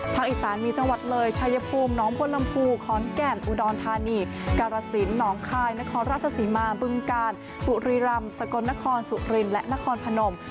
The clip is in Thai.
อีสานมีจังหวัดเลยชายภูมิน้องพลลำพูขอนแก่นอุดรธานีกรสินหนองคายนครราชศรีมาบึงกาลบุรีรำสกลนครสุรินและนครพนม